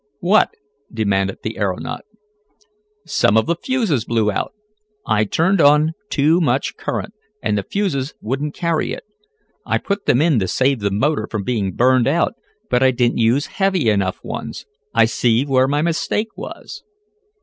"What?" demanded the aeronaut. "Some of the fuses blew out. I turned on too much current, and the fuses wouldn't carry it. I put them in to save the motor from being burned out, but I didn't use heavy enough ones. I see where my mistake was."